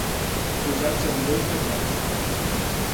Posats ambdós d'acord.